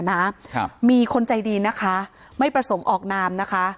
นะครับมีคนใจดีนะคะไม่ประสงค์ออกนามนะคะ